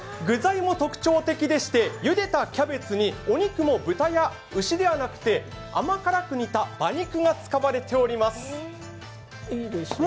具材も特徴的でして、ゆでたキャベツにお肉も豚や牛ではなくて甘辛く煮た馬肉が使われています。